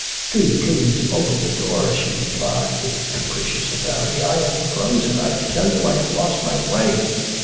'Do please open the door!' she replied, with capricious authority. 'I am frozen. I tell you I have lost my way.